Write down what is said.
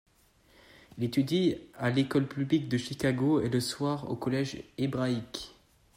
Il étudie à l'école publique de Chicago et le soir, au collège hébraïque.